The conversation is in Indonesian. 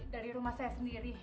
dari rumah saya sendiri